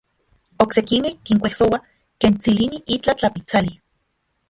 Oksekimej kinkuejsoa ken tsilini itlaj tlapitsali.